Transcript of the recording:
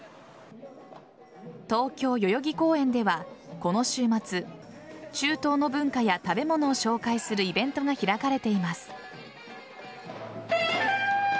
東京・代々木公園ではこの週末中東の文化や食べ物を紹介するイベントが開かれています。